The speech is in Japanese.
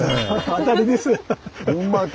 当たりです。